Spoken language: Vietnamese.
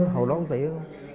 hồi đó có tờ giấy